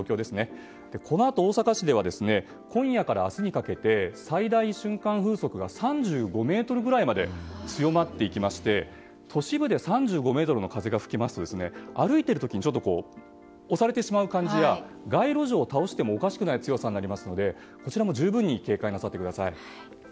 このあと、大阪市では今夜から明日にかけて最大瞬間風速が３５メートルぐらいまで強まっていきまして都市部で３５メートルの風が吹くと歩いている時に押されてしまう感じや街路樹を倒してもおかしくない強さになりますのでこちらも十分警戒なさってください。